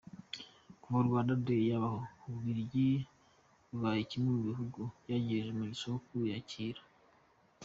Kuva Rwanda Day yabaho, u Bubiligi bubaye kimwe mu bihugu byagize umugisha wo kuyakira.